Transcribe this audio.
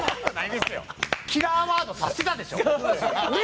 キラーワード刺したでしょ！